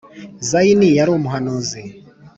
Zayini yari umuhanuzi